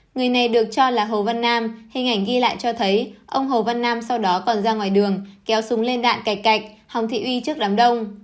người này được cho là hồ văn nam hình ảnh ghi lại cho thấy ông hồ văn nam sau đó còn ra ngoài đường kéo súng lên đạn cày cạch hồng thị uy trước đám đông